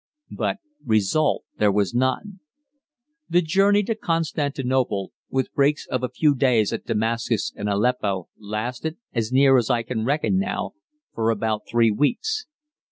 But result there was none. The journey to Constantinople, with breaks of a few days at Damascus and Aleppo, lasted, as near as I can reckon now, for about three weeks.